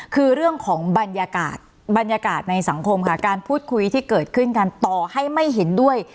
คือเรื่องของบรรยากาศบรรยากาศในสังคมค่ะการพูดคุยที่เกิดขึ้นกันต่อให้ไม่เห็นด้วย